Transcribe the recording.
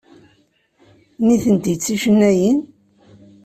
Nitenti d ticennayin?